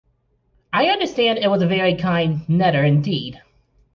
I understand it was a very kind letter indeed.